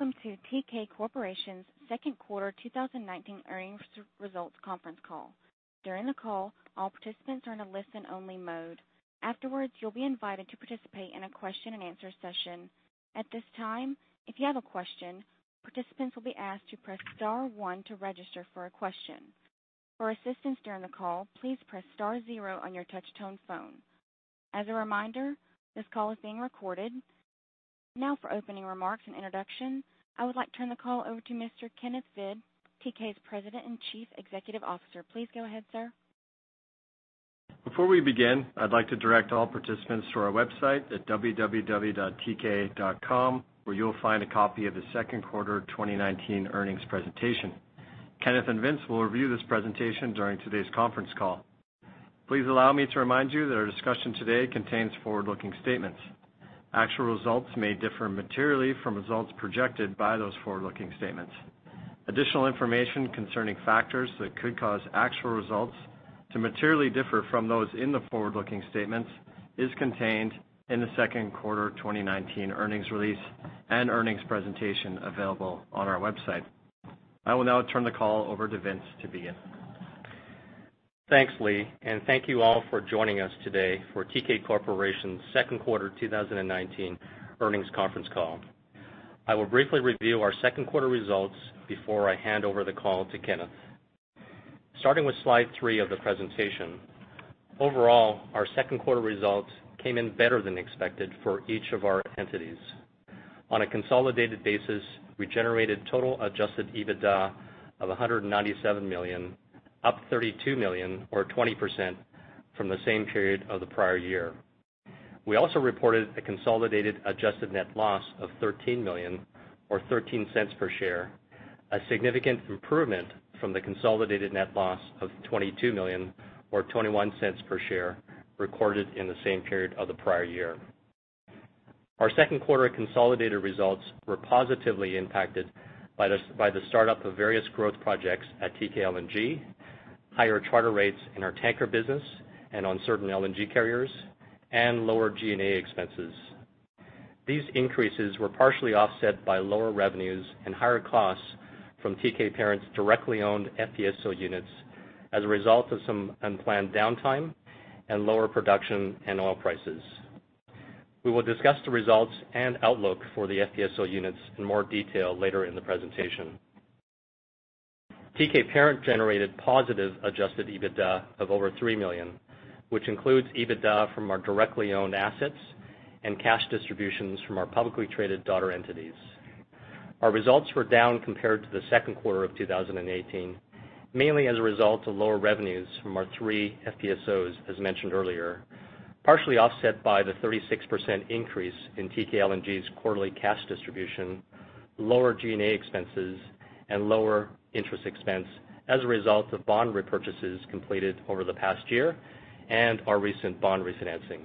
Welcome to Teekay Corporation's Second Quarter 2019 Earnings Results Conference Call. During the call, all participants are in a listen-only mode. Afterwards, you'll be invited to participate in a question and answer session. At this time, if you have a question, participants will be asked to press star one to register for a question. For assistance during the call, please press star zero on your touch-tone phone. As a reminder, this call is being recorded. Now for opening remarks and introduction, I would like to turn the call over to Mr. Kenneth Hvid, Teekay's President and Chief Executive Officer. Please go ahead, sir. Before we begin, I'd like to direct all participants to our website at www.teekay.com, where you'll find a copy of the second quarter 2019 earnings presentation. Kenneth and Vince will review this presentation during today's conference call. Please allow me to remind you that our discussion today contains forward-looking statements. Actual results may differ materially from results projected by those forward-looking statements. Additional information concerning factors that could cause actual results to materially differ from those in the forward-looking statements is contained in the second quarter 2019 earnings release and earnings presentation available on our website. I will now turn the call over to Vince to begin. Thanks, Lee. Thank you all for joining us today for Teekay Corporation's second quarter 2019 earnings conference call. I will briefly review our second quarter results before I hand over the call to Kenneth. Starting with slide three of the presentation. Overall, our second quarter results came in better than expected for each of our entities. On a consolidated basis, we generated total adjusted EBITDA of $197 million, up $32 million or 20% from the same period of the prior year. We also reported a consolidated adjusted net loss of $13 million or $0.13 per share, a significant improvement from the consolidated net loss of $22 million or $0.21 per share recorded in the same period of the prior year. Our second quarter consolidated results were positively impacted by the startup of various growth projects at Teekay LNG, higher charter rates in our tanker business and on certain LNG carriers, and lower G&A expenses. These increases were partially offset by lower revenues and higher costs from Teekay Parent's directly owned FPSO units as a result of some unplanned downtime and lower production and oil prices. We will discuss the results and outlook for the FPSO units in more detail later in the presentation. Teekay Parent generated positive adjusted EBITDA of over $3 million, which includes EBITDA from our directly owned assets and cash distributions from our publicly traded daughter entities. Our results were down compared to the second quarter of 2018, mainly as a result of lower revenues from our three FPSOs, as mentioned earlier, partially offset by the 36% increase in Teekay LNG's quarterly cash distribution, lower G&A expenses, and lower interest expense as a result of bond repurchases completed over the past year and our recent bond refinancing.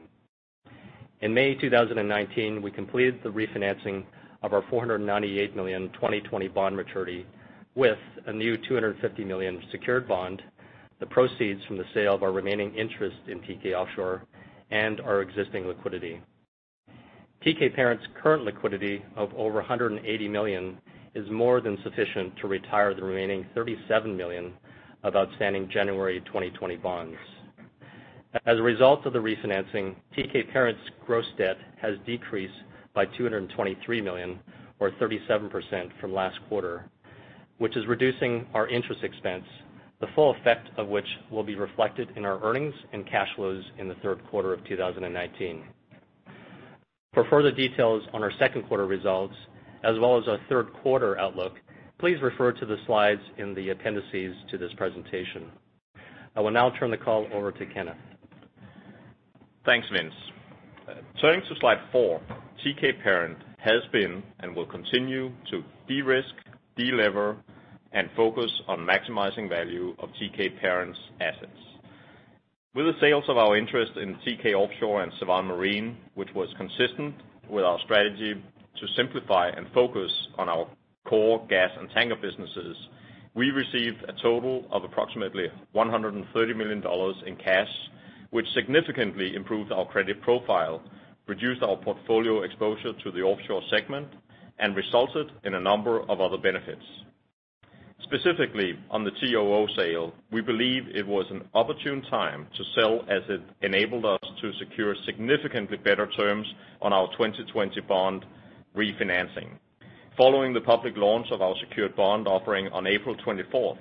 In May 2019, we completed the refinancing of our $498 million 2020 bond maturity with a new $250 million secured bond, the proceeds from the sale of our remaining interest in Teekay Offshore, and our existing liquidity. Teekay Parent's current liquidity of over $180 million is more than sufficient to retire the remaining $37 million of outstanding January 2020 bonds. As a result of the refinancing, Teekay Parent's gross debt has decreased by $223 million or 37% from last quarter, which is reducing our interest expense, the full effect of which will be reflected in our earnings and cash flows in the third quarter of 2019. For further details on our second quarter results, as well as our third quarter outlook, please refer to the slides in the appendices to this presentation. I will now turn the call over to Kenneth. Thanks, Vince. Turning to slide four, Teekay Parent has been and will continue to de-risk, de-lever, and focus on maximizing value of Teekay Parent's assets. With the sales of our interest in Teekay Offshore and Sevan Marine, which was consistent with our strategy to simplify and focus on our core gas and tanker businesses, we received a total of approximately $130 million in cash, which significantly improved our credit profile, reduced our portfolio exposure to the offshore segment, and resulted in a number of other benefits. Specifically, on the TOO sale, we believe it was an opportune time to sell as it enabled us to secure significantly better terms on our 2020 bond refinancing. Following the public launch of our secured bond offering on April 24th,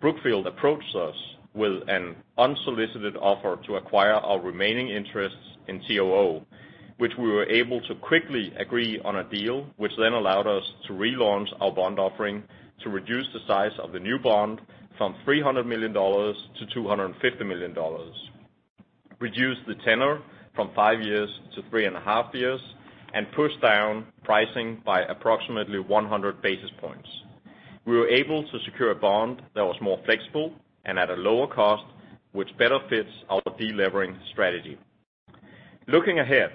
Brookfield approached us with an unsolicited offer to acquire our remaining interests in TOO, which we were able to quickly agree on a deal, which then allowed us to relaunch our bond offering to reduce the size of the new bond from $300 million-$250 million, reduce the tenor from five years to three and a half years, and push down pricing by approximately 100 basis points. We were able to secure a bond that was more flexible and at a lower cost, which better fits our de-levering strategy. Looking ahead,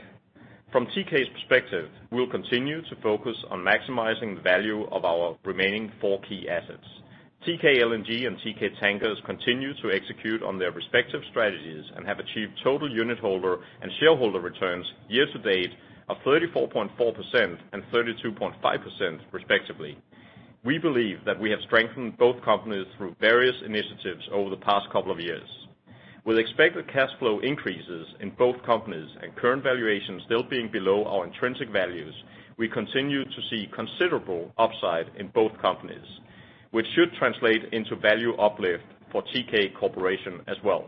from Teekay's perspective, we'll continue to focus on maximizing the value of our remaining four key assets. Teekay LNG and Teekay Tankers continue to execute on their respective strategies and have achieved total unitholder and shareholder returns year to date of 34.4% and 32.5% respectively. We believe that we have strengthened both companies through various initiatives over the past couple of years. With expected cash flow increases in both companies and current valuations still being below our intrinsic values, we continue to see considerable upside in both companies, which should translate into value uplift for Teekay Corporation as well.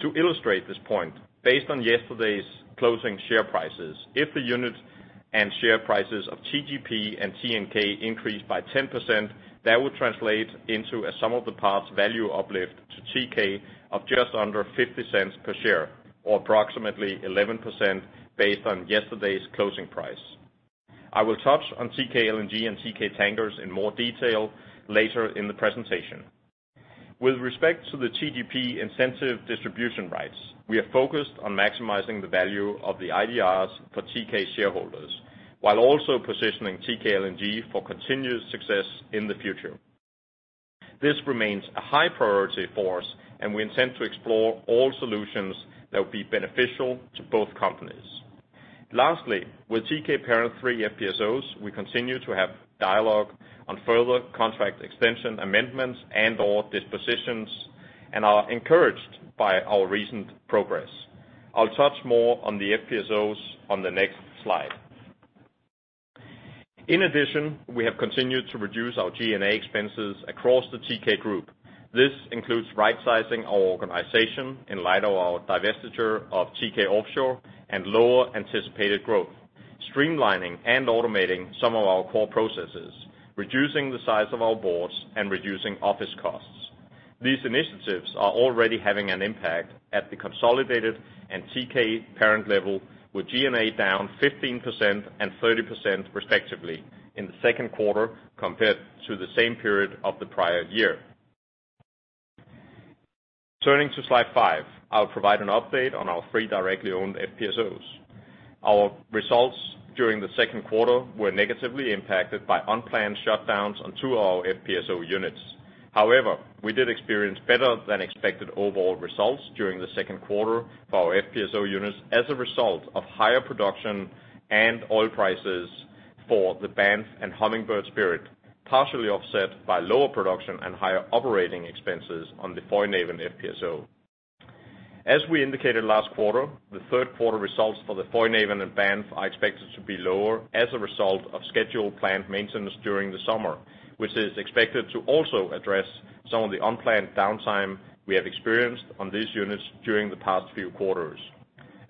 To illustrate this point, based on yesterday's closing share prices, if the unit and share prices of TGP and TNK increase by 10%, that would translate into a sum-of-the-parts value uplift to Teekay of just under $0.50 per share, or approximately 11% based on yesterday's closing price. I will touch on Teekay LNG and Teekay Tankers in more detail later in the presentation. With respect to the TGP Incentive Distribution Rights, we are focused on maximizing the value of the IDRs for Teekay shareholders, while also positioning Teekay LNG for continued success in the future. This remains a high priority for us, and we intend to explore all solutions that will be beneficial to both companies. Lastly, with Teekay Parent three FPSOs, we continue to have dialogue on further contract extension amendments and or dispositions, and are encouraged by our recent progress. I'll touch more on the FPSOs on the next slide. In addition, we have continued to reduce our G&A expenses across the Teekay group. This includes rightsizing our organization in light of our divestiture of Teekay Offshore and lower anticipated growth, streamlining and automating some of our core processes, reducing the size of our boards, and reducing office costs. These initiatives are already having an impact at the consolidated and Teekay Parent level, with G&A down 15% and 30% respectively in the second quarter compared to the same period of the prior year. Turning to slide five, I'll provide an update on our three directly owned FPSOs. Our results during the second quarter were negatively impacted by unplanned shutdowns on two of our FPSO units. We did experience better than expected overall results during the second quarter for our FPSO units as a result of higher production and oil prices for the Banff and Hummingbird Spirit, partially offset by lower production and higher operating expenses on the Foinaven FPSO. As we indicated last quarter, the third quarter results for the Foinaven and Banff are expected to be lower as a result of scheduled plant maintenance during the summer, which is expected to also address some of the unplanned downtime we have experienced on these units during the past few quarters.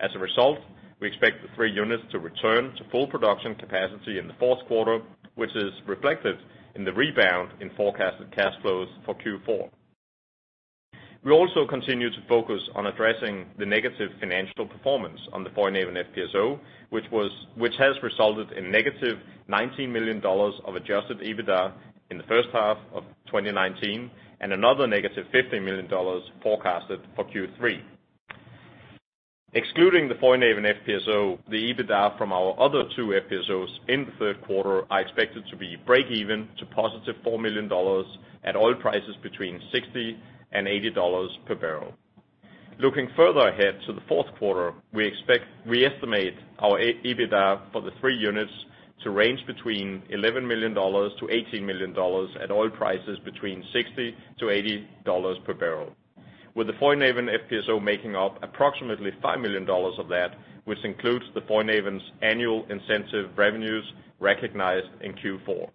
As a result, we expect the three units to return to full production capacity in the fourth quarter, which is reflected in the rebound in forecasted cash flows for Q4. We also continue to focus on addressing the negative financial performance on the Foinaven FPSO, which has resulted in negative $19 million of adjusted EBITDA in the first half of 2019 and another negative $15 million forecasted for Q3. Excluding the Foinaven FPSO, the EBITDA from our other two FPSOs in the third quarter are expected to be breakeven to positive $4 million at oil prices between $60 and $80 per barrel. Looking further ahead to the fourth quarter, we estimate our EBITDA for the three units to range $11 million-$18 million at oil prices $60-$80 per barrel. With the Foinaven FPSO making up approximately $5 million of that, which includes the Foinaven's annual incentive revenues recognized in Q4.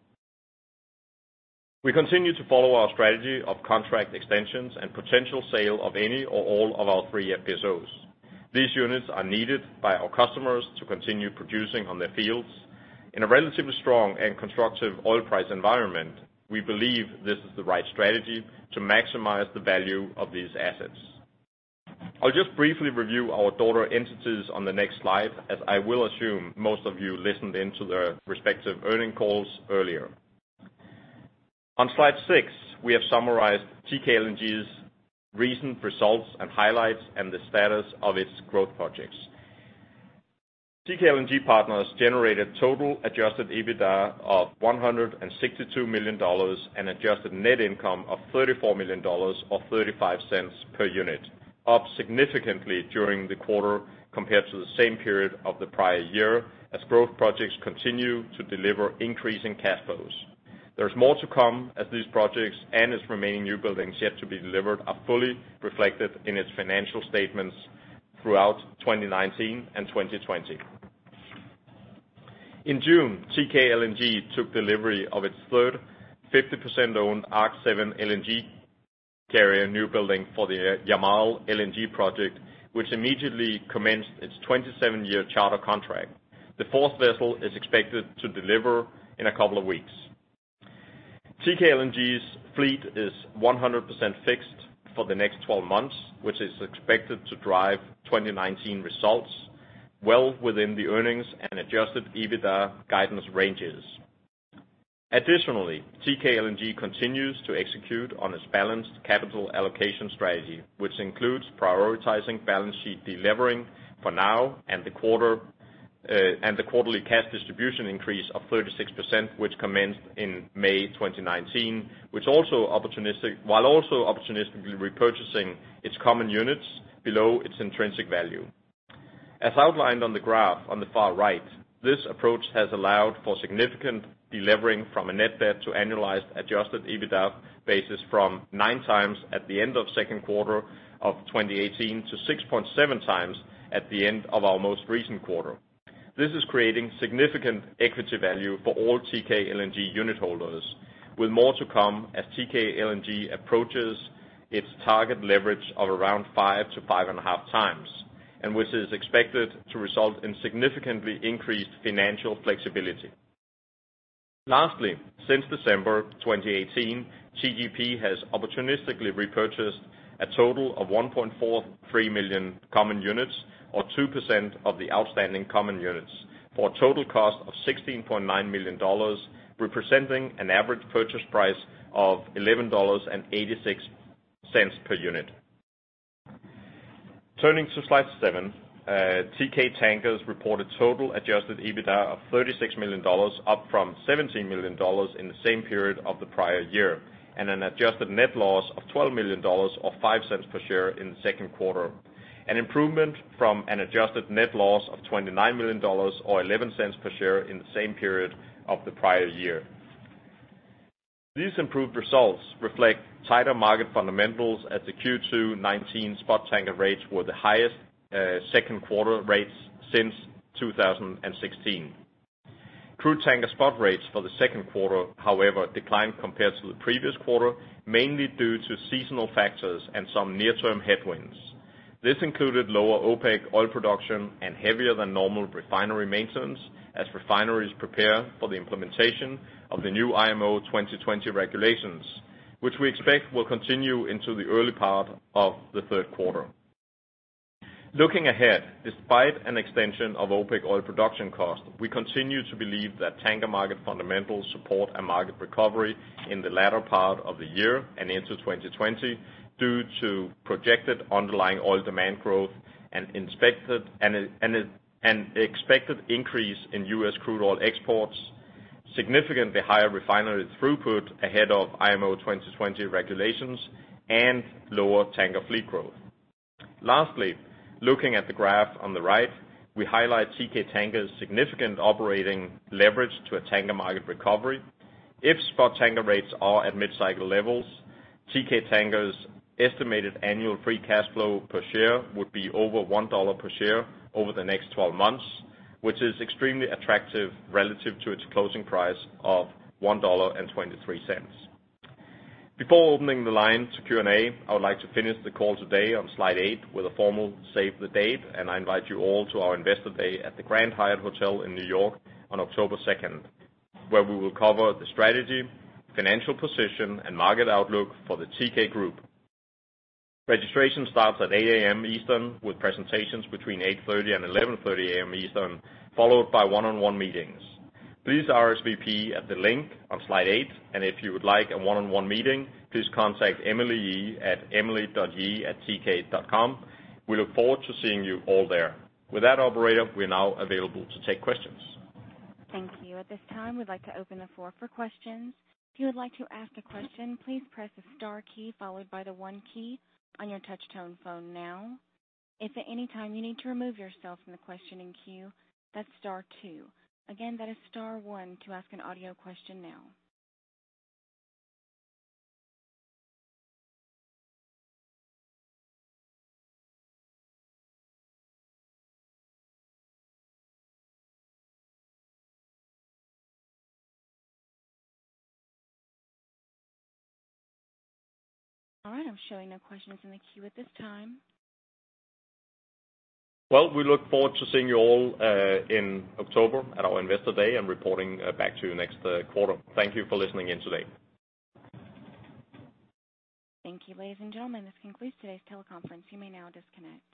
We continue to follow our strategy of contract extensions and potential sale of any or all of our three FPSOs. These units are needed by our customers to continue producing on their fields. In a relatively strong and constructive oil price environment, we believe this is the right strategy to maximize the value of these assets. I'll just briefly review our daughter entities on the next slide, as I will assume most of you listened in to their respective earning calls earlier. On slide six, we have summarized Teekay LNG's recent results and highlights and the status of its growth projects. Teekay LNG Partners generated total adjusted EBITDA of $162 million and adjusted net income of $34 million, or $0.35 per unit, up significantly during the quarter compared to the same period of the prior year as growth projects continue to deliver increasing cash flows. There's more to come as these projects and its remaining new buildings yet to be delivered are fully reflected in its financial statements throughout 2019 and 2020. In June, Teekay LNG took delivery of its third 50% owned Arc7 LNG carrier new building for the Yamal LNG project, which immediately commenced its 27-year charter contract. The fourth vessel is expected to deliver in a couple of weeks. Teekay LNG's fleet is 100% fixed for the next 12 months, which is expected to drive 2019 results well within the earnings and adjusted EBITDA guidance ranges. Teekay LNG continues to execute on its balanced capital allocation strategy, which includes prioritizing balance sheet de-levering for now and the quarterly cash distribution increase of 36%, which commenced in May 2019, while also opportunistically repurchasing its common units below its intrinsic value. As outlined on the graph on the far right, this approach has allowed for significant de-levering from a net debt to annualized adjusted EBITDA basis from 9x at the end of second quarter of 2018 to 6.7x at the end of our most recent quarter. This is creating significant equity value for all Teekay LNG unit holders, with more to come as Teekay LNG approaches its target leverage of around 5 to 5.5x, and which is expected to result in significantly increased financial flexibility. Lastly, since December 2018, TGP has opportunistically repurchased a total of 1.43 million common units, or 2% of the outstanding common units for a total cost of $16.9 million, representing an average purchase price of $11.86 per unit. Turning to slide seven, Teekay Tankers reported total adjusted EBITDA of $36 million, up from $17 million in the same period of the prior year, and an adjusted net loss of $12 million, or $0.05 per share in the second quarter, an improvement from an adjusted net loss of $29 million or $0.11 per share in the same period of the prior year. These improved results reflect tighter market fundamentals as the Q2 2019 spot tanker rates were the highest second quarter rates since 2016. Crude tanker spot rates for the second quarter, however, declined compared to the previous quarter, mainly due to seasonal factors and some near-term headwinds. This included lower OPEC oil production and heavier than normal refinery maintenance as refineries prepare for the implementation of the new IMO 2020 regulations, which we expect will continue into the early part of the third quarter. Looking ahead, despite an extension of OPEC oil production costs, we continue to believe that tanker market fundamentals support a market recovery in the latter part of the year and into 2020 due to projected underlying oil demand growth and expected increase in U.S. crude oil exports, significantly higher refinery throughput ahead of IMO 2020 regulations, and lower tanker fleet growth. Lastly, looking at the graph on the right, we highlight Teekay Tankers' significant operating leverage to a tanker market recovery. If spot tanker rates are at mid-cycle levels, Teekay Tankers' estimated annual free cash flow per share would be over $1 per share over the next 12 months, which is extremely attractive relative to its closing price of $1.23. Before opening the line to Q&A, I would like to finish the call today on slide eight with a formal save the date, and I invite you all to our investor day at the Grand Hyatt Hotel in New York on October 2nd, where we will cover the strategy, financial position and market outlook for the Teekay group. Registration starts at 8:00 A.M. Eastern, with presentations between 8:30 A.M. and 11:30 A.M. Eastern, followed by one-on-one meetings. Please RSVP at the link on slide eight, and if you would like a one-on-one meeting, please contact Emily Yee at Emily.Yee@teekay.com. We look forward to seeing you all there. With that, Operator, we're now available to take questions. Thank you. At this time, we'd like to open the floor for questions. If you would like to ask a question, please press the star key followed by the one key on your touch-tone phone now. If at any time you need to remove yourself from the questioning queue, that's star two. Again, that is star one to ask an audio question now. All right, I'm showing no questions in the queue at this time. Well, we look forward to seeing you all in October at our investor day and reporting back to you next quarter. Thank you for listening in today. Thank you, ladies and gentlemen. This concludes today's teleconference. You may now disconnect.